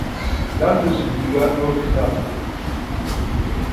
Landesliga nur knapp.